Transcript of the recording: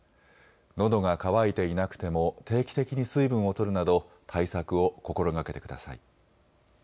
のどが渇いていなくても定期的に水分をとるなど対策を心がけてください。